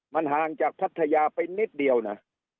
มันห่างจากพัทยาไปนิดเดียวนะ